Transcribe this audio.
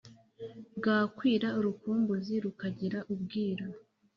Bwakwira urukumbuzi rukagira ubwira